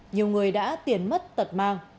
nhiều người đã tiến mất tật mang